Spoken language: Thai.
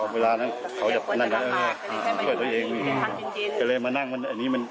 เวลานั้นเขาจะมามาที่นี่ช่วยตัวเองด้วยก็เลยมานั่งอันนี้มัน